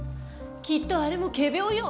きっとあれも仮病よ。